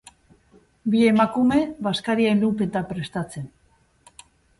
Bi emakume bazkaria ilunpetan prestatzen.